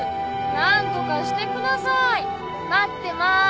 なんとかしてください」「待ってます。